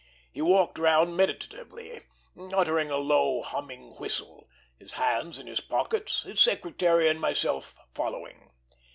He walked round meditatively, uttering a low, humming whistle, his hands in his pockets, his secretary and myself following.